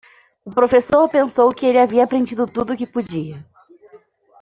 O professor pensou que ele havia aprendido tudo o que podia.